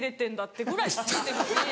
ってぐらい知ってるし。